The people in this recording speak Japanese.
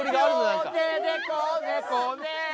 両手でこねこね。